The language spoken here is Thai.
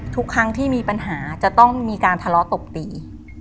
ทุกครั้งที่มีปัญหาจะต้องมีการทะเลาะตบตี